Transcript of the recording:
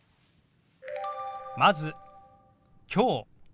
まず「きょう」。